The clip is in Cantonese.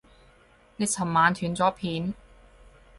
你尋晚斷咗片